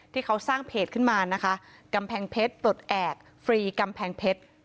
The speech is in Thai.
ที่เขาสร้างเพจขึ้นมานะคะกำแพงเพชรปลดแอบฟรีกำแพงเพชร